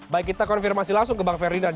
baik kita konfirmasi langsung ke bang ferdinand